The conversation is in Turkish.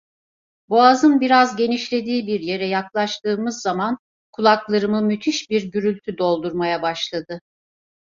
Boğazın biraz genişlediği bir yere yaklaştığımız zaman, kulaklarımı müthiş bir gürültü doldurmaya başladı.